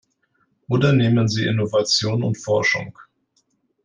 Oder nehmen Sie Innovation und Forschung.